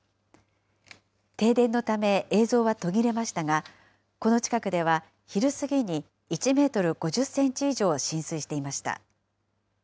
停電のため映像は途切れましたが、この近くでは昼過ぎに１メートル５０センチ以上浸水していました。